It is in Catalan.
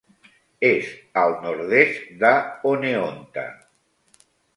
És al nord-est de Oneonta.